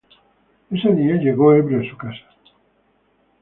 Ese día llegó ebrio a su casa.